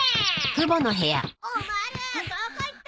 おまるどこ行った！